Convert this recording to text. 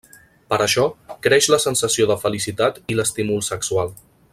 Per això, creix la sensació de felicitat i l'estímul sexual.